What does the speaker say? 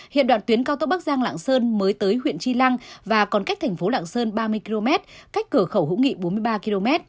hiện đoạn tuyến cao tốc bắc giang lạng sơn mới tới huyện tri lăng và còn cách thành phố lạng sơn ba mươi km cách cửa khẩu hữu nghị bốn mươi ba km